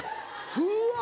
うわ！